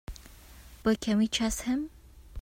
But can we trust him?